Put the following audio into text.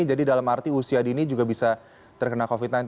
jadi dalam arti usia dini juga bisa terkena covid sembilan belas